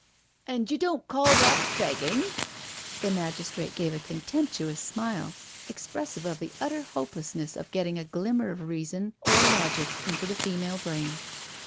"And you don't call that begging I" The magis trate gave a contemptuous smile expressive of the utter hopelessness of getting a glimmer of reason or logic into the female brain.